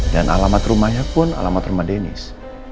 dan alamat rumahnya pun alamat rumah denny